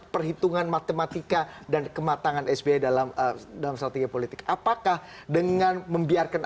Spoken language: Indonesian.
perhitungan matematika dan kematangan sbi dalam dalam strategi politik apakah dengan membiarkan